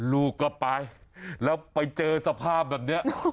ลูกก็ไปแล้วไปเจอสภาพแบบนี้